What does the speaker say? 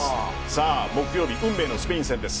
さあ木曜日、運命のスペイン戦です。